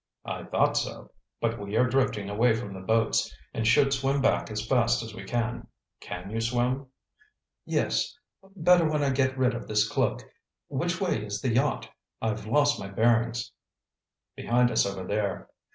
"I thought so. But we are drifting away from the boats, and should swim back as fast as we can. Can you swim?" "Yes; better when I get rid of this cloak. Which way is the yacht? I've lost my bearings." "Behind us over there.